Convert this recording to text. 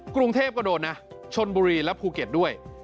กรุงเทพก็โดนนะชนบุรีและภูเก็ตด้วย